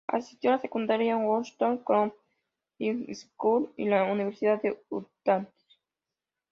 Asistió a la secundaria Woods Cross High School, y la Universidad de Utah.